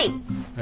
え？